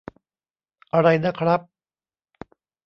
อะไรนะครับ